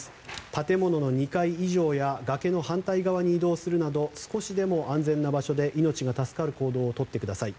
建物の２階以上や崖の反対側に移動するなど少しでも安全な場所で命が助かる行動をとってください。